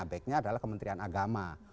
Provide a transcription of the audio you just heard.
backnya adalah kementerian agama